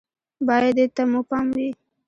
بايد دې ته مو پام وي